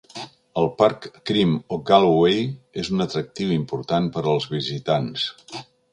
El parc Cream o' Galloway és un atractiu important per als visitants.